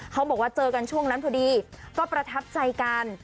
เขาบอกว่าเจอกันช่วงนั้นพอดีก็ประทับใจกัน